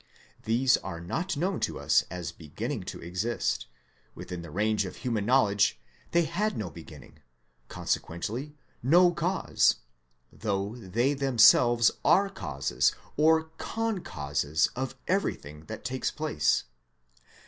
These are not known to us as beginning to exist : within the range of human knowledge they had no beginning, consequently no cause ; though they themselves are causes or con causes of everything that takes place.